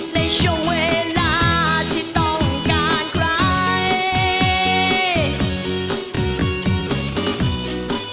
ในช่วงเวลาที่ต้องการใคร